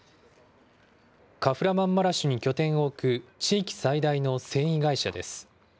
カフラマンマラシュに拠点を置く地域最大の繊維会社です。